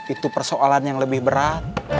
itu persoalan yang lebih berat